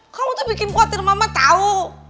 kamu tuh bikin khawatir mama tau